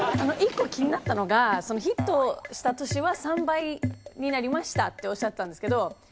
１個気になったのが「ヒットした年は３倍になりました」っておっしゃってたんですけど